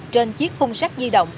trên chiếc khung sát di động